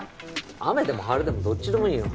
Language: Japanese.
雨でも晴れでもどっちでもいいよ。